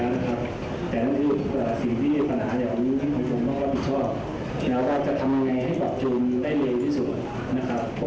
แต่ทั้งสิ่งที่ประหลาดอยู่ที่ผู้ชมก็ก็ผิดชอบแนวว่าจะทำยังไงให้กรอบจูนได้เร็วที่สุด